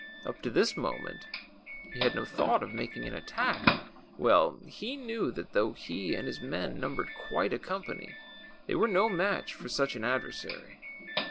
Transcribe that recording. Up to this moment he had no thouglit of making an attack. Well he knew that, though he and his men numbered quite a company, they Avere no match for such an adversary.